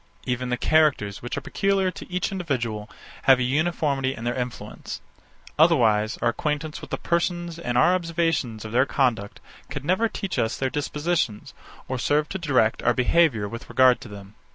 Even the characters, which are peculiar to each individual, have a uniformity in their influence; otherwise our acquaintance with the persons and our observation of their conduct could never teach us their dispositions, or serve to direct our behaviour with regard to them.